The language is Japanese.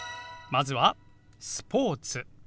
まずは「スポーツ」。